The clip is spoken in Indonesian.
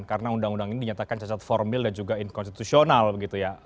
karena undang undang ini dinyatakan cacat formil dan juga inkonstitusional gitu ya